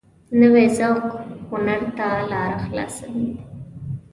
نوی ذوق هنر ته لاره خلاصوي